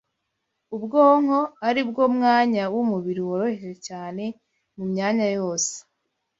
Ubwonko ari bwo mwanya w’umubiri woroheje cyane mu myanya yose,